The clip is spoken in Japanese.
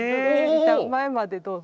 前までどうぞ。